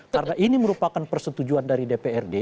karena ini merupakan persetujuan dari dprd